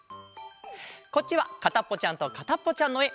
こっちは「かたっぽちゃんとかたっぽちゃん」のえ！